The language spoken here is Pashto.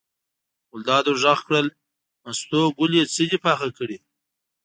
ګلداد ور غږ کړل: مستو ګلې څه دې پاخه کړي.